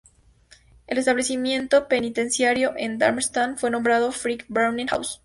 El establecimiento penitenciario de Darmstadt fue nombrado "Fritz-Bauer-Haus".